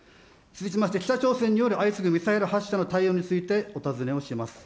続きまして、北朝鮮による相次ぐミサイル発射の対応について、お尋ねをします。